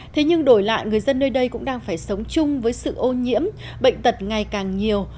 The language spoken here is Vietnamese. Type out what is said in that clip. thế nhưng đổi lại người dân nơi đây cũng đang phải sống chung với sự ô nhiễm bệnh tật ngày càng nhiều